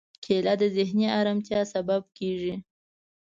کېله د ذهني ارامتیا سبب کېږي.